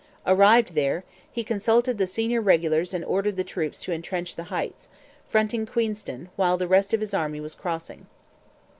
Arrived there, he consulted the senior regulars and ordered the troops to entrench the Heights, fronting Queenston, while the rest of his army was crossing.